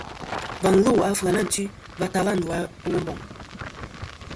Và lu a Ɨfyanatwi va tala ndu a Womboŋ.